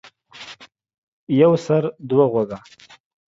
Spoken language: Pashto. يو سر ،دوه غوږه.